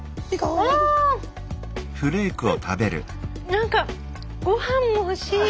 何かご飯も欲しい。